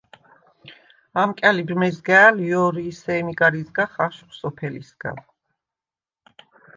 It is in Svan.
ამკა̈ლიბ მეზგა̄̈ლ ჲო̄რი ი სემი გარ იზგახ აშხვ სოფელისგა.